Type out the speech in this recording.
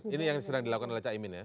ini yang sedang dilakukan oleh cak imin ya